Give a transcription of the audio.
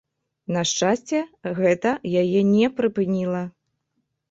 На шчасце, гэта яе не прыпыніла.